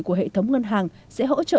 của hệ thống ngân hàng sẽ hỗ trợ